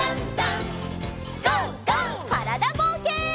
からだぼうけん。